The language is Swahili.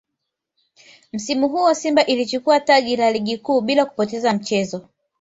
Msimu huo Simba ilichukua taji la Ligi Kuu bila kupoteza mchezo